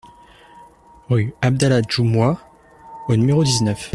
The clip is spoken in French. Rue Abdallah Djoumoi au numéro dix-neuf